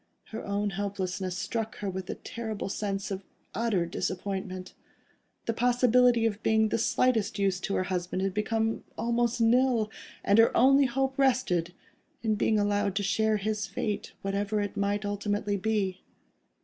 Her own helplessness struck her with the terrible sense of utter disappointment. The possibility of being of the slightest use to her husband had become almost nil, and her only hope rested in being allowed to share his fate, whatever it might ultimately be.